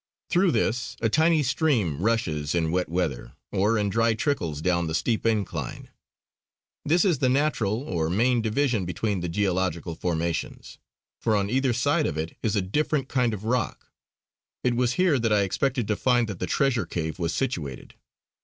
Through this a tiny stream rushes in wet weather, or in dry trickles down the steep incline. This is the natural or main division between the geological formations; for on either side of it is a different kind of rock it was here that I expected to find that the treasure cave was situated.